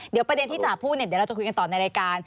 เดี๋ยวประเด็นที่จ๋าพูดเนี่ยเดี๋ยวเราจะคุยกันต่อในรายการ